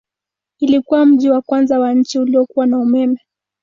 Ilikuwa mji wa kwanza wa nchi uliokuwa na umeme.